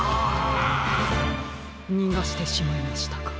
にがしてしまいましたか。